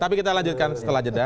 tapi kita lanjutkan setelah jeda